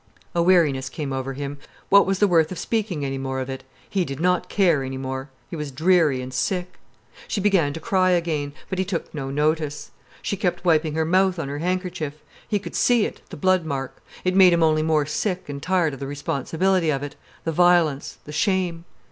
A weariness came over him. What was the worth of speaking any more of it? He did not care any more. He was dreary and sick. She began to cry again, but he took no notice. She kept wiping her mouth on her handkerchief. He could see it, the blood mark. It made him only more sick and tired of the responsibility of it, the violence, the shame.